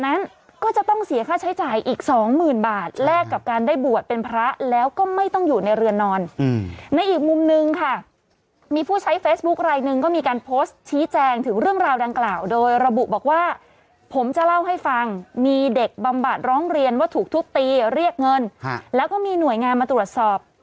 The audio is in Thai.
นั้นก็จะต้องเสียค่าใช้จ่ายอีกสองหมื่นบาทแลกกับการได้บวชเป็นพระแล้วก็ไม่ต้องอยู่ในเรือนนอนในอีกมุมนึงค่ะมีผู้ใช้เฟซบุ๊คไลนึงก็มีการโพสต์ชี้แจงถึงเรื่องราวดังกล่าวโดยระบุบอกว่าผมจะเล่าให้ฟังมีเด็กบำบัดร้องเรียนว่าถูกทุบตีเรียกเงินแล้วก็มีหน่วยงานมาตรวจสอบ